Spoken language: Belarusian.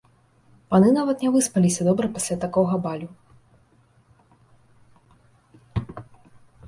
Паны нават не выспаліся добра пасля такога балю.